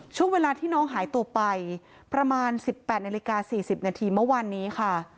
ช่วงเวลาที่น้องหายตัวไปประมาณ๑๘นาฬิกา๔๐นาทีเมื่อวานนี้ค่ะ